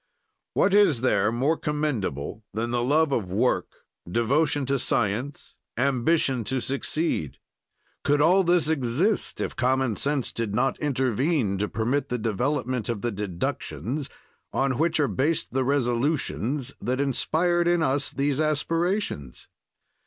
"What is there more commendable than the love of work, devotion to science, ambition to succeed? "Could all this exist if common sense did not intervene to permit the development of the deductions on which are based the resolutions that inspired in us these aspirations.